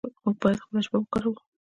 موږ باید خپله ژبه وکاروو.